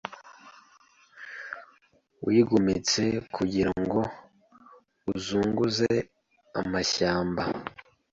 wigometse Kugira ngo uzunguze amashyamba